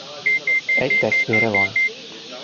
Egy testvére van.